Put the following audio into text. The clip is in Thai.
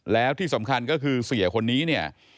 แล้วที่สำคัญก็คือเสี่ยคนนี้